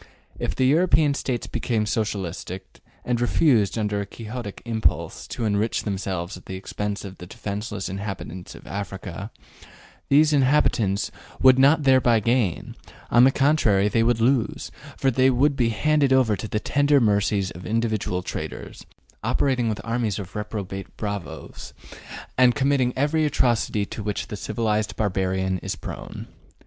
If the European States became Socialistic, and refused, under a Quixotic impulse, to enrich themselves at the expense of the defenseless inhabitants of Africa, those inhabitants would not thereby gain; on the contrary, they would lose, for they would be handed over to the tender mercies of individual traders, operating with armies of reprobate bravos, and committing every atrocity to which the civilized barbarian is prone.